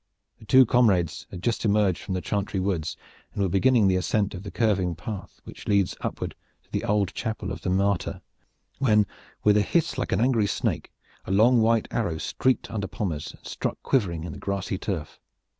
The two comrades had just emerged from the Chantry woods and were beginning the ascent of that curving path which leads upward to the old Chapel of the Martyr when with a hiss like an angry snake a long white arrow streaked under Pommers and struck quivering in the grassy turf.